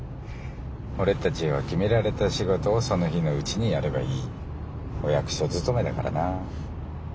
俺たちは決められた仕事をその日のうちにやればいいお役所勤めだからな。